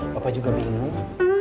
papa juga bingung